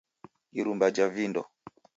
irumba ja vindo